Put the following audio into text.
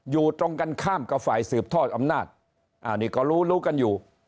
อยู่ตรงกันข้ามกับฝ่ายสืบทอดอำนาจอันนี้ก็รู้รู้กันอยู่